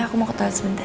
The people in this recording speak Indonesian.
aku mau ketahuan sebentar